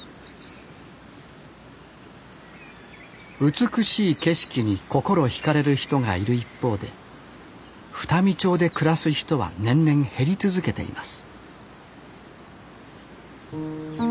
美しい景色に心惹かれる人がいる一方で双海町で暮らす人は年々減り続けています